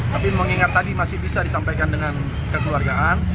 tapi mengingat tadi masih bisa disampaikan dengan kekeluargaan